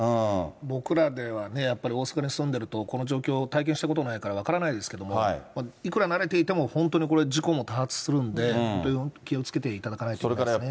僕らではね、やっぱり大阪に住んでるとこの状況、体験したことないから分からないですけども、いくら慣れていても、本当にこれ、事故も多発するんで、本当、気をつけていただかないといけないですね。